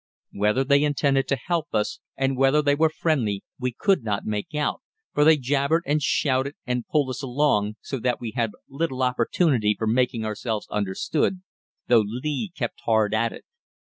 Whether they intended to help us and whether they were friendly we could not make out, for they jabbered and shouted and pulled us along, so that we had little opportunity for making ourselves understood, though Lee kept hard at it.